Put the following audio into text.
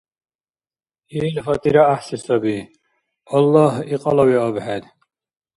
Ил гьатӀира гӀяхӀси саби. Аллагь икьалавиаб хӀед.